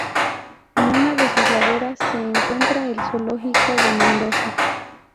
En una de sus laderas se encuentra el Zoológico de Mendoza.